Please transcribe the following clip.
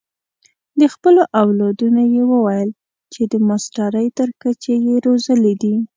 د خپلو اولادونو یې وویل چې د ماسټرۍ تر کچې یې روزلي دي.